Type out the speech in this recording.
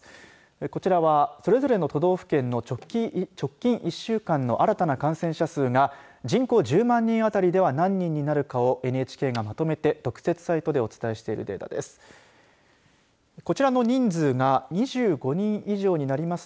こちらは、それぞれの都道府県の直近１週間の新たな感染者数が人口１０万人あたりでは何人になるかをＮＨＫがまとめて特設サイトでお伝えしているデータです。